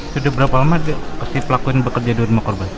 sudah berapa lama pelakuin bekerja di rumah korban